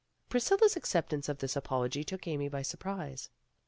Priscilla 's acceptance of this apology took Amy by surprise.